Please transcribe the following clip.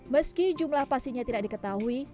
meski jumlah pastinya tidak diketahui